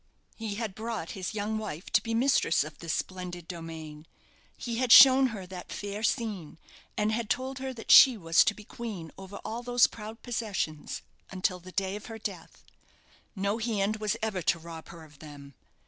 He had brought his young wife to be mistress of this splendid domain. He had shown her that fair scene; and had told her that she was to be queen over all those proud possessions until the day of her death. No hand was ever to rob her of them.